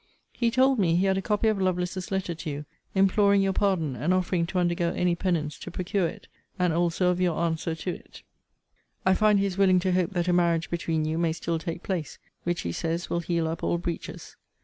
He told me, he had a copy of Lovelace's letter to you, imploring your pardon, and offering to undergo any penance to procure it;* and also of your answer to it. * See Vol. VII. Letter LXXIX. Ibid. Letter LXXXIII. I find he is willing to hope that a marriage between you may still take place; which, he says, will heal up all breaches.